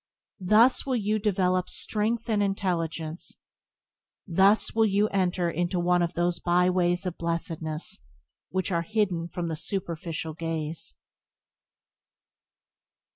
Thus will you develop strength and intelligence; thus will you enter one of those byways of blessedness which are hidden from the superficial gaze.